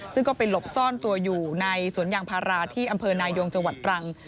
ซึ่งก็ไปหลบซ่อนตัวอยู่ในสวนยางพาราที่อำเภอนายงจังหวัดตรัง